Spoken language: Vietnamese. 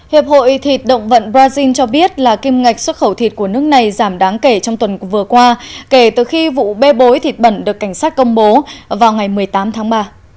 hiệp hội thịt động vận brazil cho biết là kim ngạch xuất khẩu thịt của nước này giảm đáng kể trong tuần vừa qua kể từ khi vụ bê bối thịt bẩn được cảnh sát công bố vào ngày một mươi tám tháng ba